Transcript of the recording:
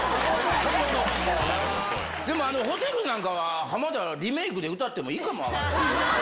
でもあのホテルなんかは、浜田、リメークで歌ってもいいかも分からへんで。